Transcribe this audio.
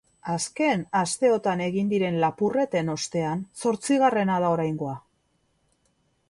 Azken asteotan egin diren lapurreten ostean zortzigarrena da oraingoa.